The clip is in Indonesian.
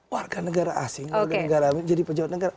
warga negara asing warga negara asing menjadi pejabat negara